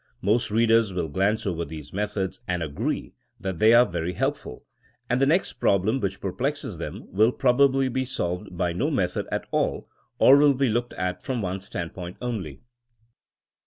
Most readers wiU glance over these methods, and agree that they are very helpful — ^and the next problem which perplexes them will probably be solved by no method at all, or will be looked at from one standpoint only.